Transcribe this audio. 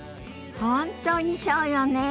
本当にそうよね。